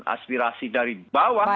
aspirasi dari bawah